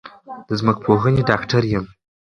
د ځمکپوهنې ډاکټر یم